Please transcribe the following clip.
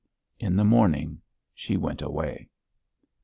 In the morning she went away.